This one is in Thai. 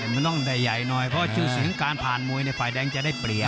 มันต้องได้ใหญ่หน่อยเพราะชื่อเสียงการผ่านมวยในฝ่ายแดงจะได้เปรียบ